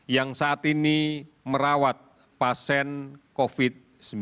yang saat ini merawat pasien covid sembilan belas